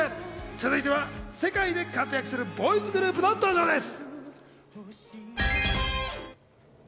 続いては世界で活躍するボーイズグループの登場です。